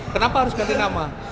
kenapa harus ganti nama